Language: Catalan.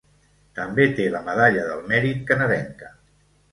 També té la medalla del mèrit canadenca.